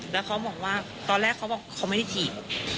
แล้วเขาบอกว่าตอนแรกเขาบอกเขาไม่ได้ถีบ